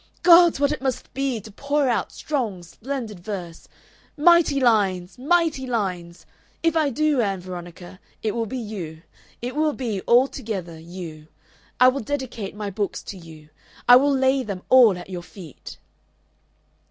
Gods! what it must be to pour out strong, splendid verse mighty lines! mighty lines! If I do, Ann Veronica, it will be you. It will be altogether you. I will dedicate my books to you. I will lay them all at your feet."